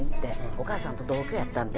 お母さんと同居やったんで。